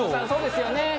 そうですよね？